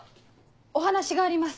お話があります。